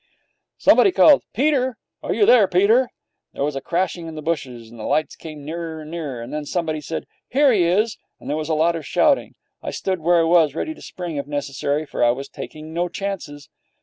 Somebody called, 'Peter! Are you there, Peter?' There was a crashing in the bushes, the lights came nearer and nearer, and then somebody said 'Here he is!' and there was a lot of shouting. I stood where I was, ready to spring if necessary, for I was taking no chances.